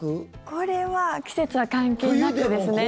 これは季節は関係なくですね。